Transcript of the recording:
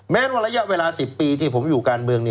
ว่าระยะเวลา๑๐ปีที่ผมอยู่การเมือง